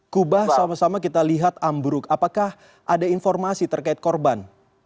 kubah sama sama kita lihat ambruk apakah ada informasi terkait korban